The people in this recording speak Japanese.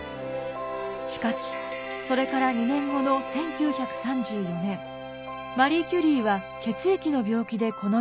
しかしそれから２年後の１９３４年マリー・キュリーは血液の病気でこの世を去ります。